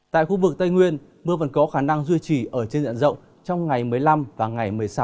tại khu vực tây nguyên mưa vẫn có khả năng duy trì ở trên diện rộng trong ngày một mươi năm và ngày một mươi sáu